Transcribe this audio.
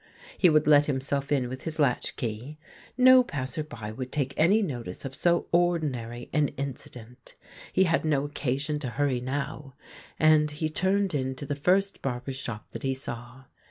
He would let himself in with his latch key. No passer by would take any notice of so ordinary an incident. He had no occasion to hurry now, and he turned into the first barber's shop that he saw.